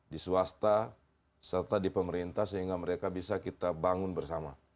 di swasta serta di pemerintah sehingga mereka bisa kita bangun bersama